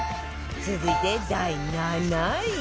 続いて第７位